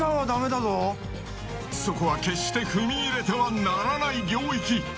そこは決して踏み入れてはならない領域。